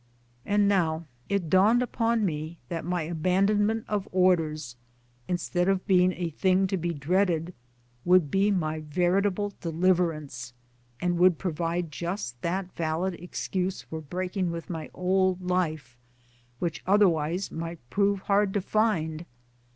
And now it dawned upon m$ that my abandonment of Orders, instead of being a thing to be dreaded, would be my veritable deliverance, and would pro vide just that valid excuse for breaking with my old life, which otherwise might prove hard to find.